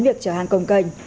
việc chở hàng cồng cành